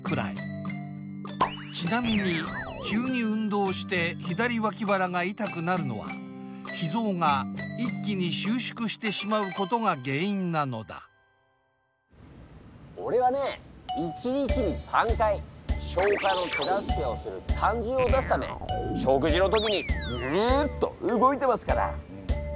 ちなみに急に運動して左わき腹が痛くなるのは脾ぞうが一気に収縮してしまうことが原因なのだオレはね一日に３回消化の手助けをする胆汁を出すため食事の時にうっと動いてますから。